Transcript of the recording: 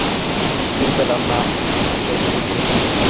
রাত্তির বেলা না এইখানে একখান শিয়াল ঘুরঘুর করে?